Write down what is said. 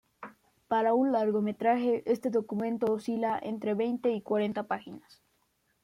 Para un largometraje este documento oscila entre veinte y cuarenta páginas.